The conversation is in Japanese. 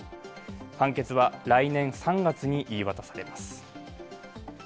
判決は来年３月に言い渡されます。